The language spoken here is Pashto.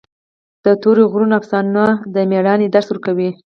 د تورې غرونو افسانه د مېړانې درس ورکوي.